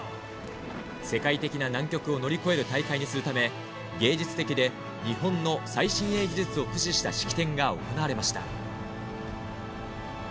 世界的な難局を乗り越える大会にするため、芸術的で、日本の最新鋭技術を駆使した式典が行われました。